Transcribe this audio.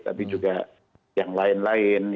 tapi juga yang lain lain